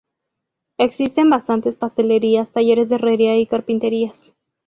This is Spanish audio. Existen bastantes pastelerías, talleres de herrería y carpinterías.